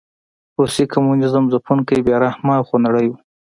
روسي کمونېزم ځپونکی، بې رحمه او خونړی و.